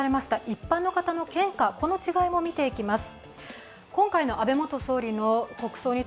一般の方の献花、この違いも見ていきます。